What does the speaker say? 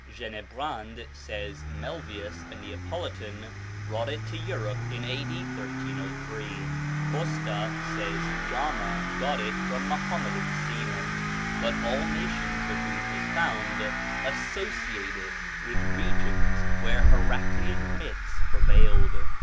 Genebrand says Melvius, a Neapolitan, brought it to Europe in A.D. 1303. Costa says Gama got it from Mohammedan seamen. But all nations with whom it was found associate it with regions where Heraclean myths prevailed.